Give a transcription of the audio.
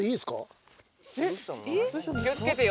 気を付けてよ